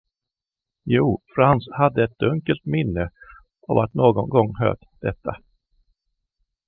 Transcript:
Jo, Franz hade ett dunkelt minne av att någon gång hört detta.